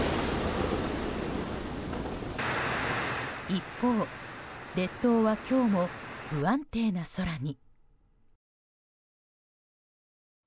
一方、列島は今日も不安定な空に。